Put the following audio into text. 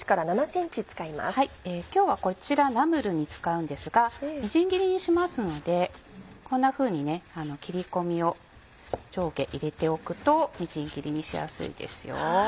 今日はこちらナムルに使うんですがみじん切りにしますのでこんなふうに切り込みを上下入れておくとみじん切りにしやすいです。